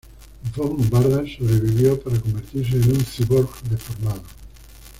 Von Bardas sobrevivió para convertirse en un cyborg deformado.